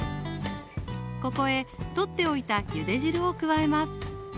ここへとっておいたゆで汁を加えます